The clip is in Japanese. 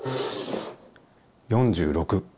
４６！